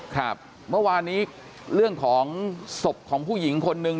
ครับเมื่อวานนี้เรื่องของศพของผู้หญิงคนนึง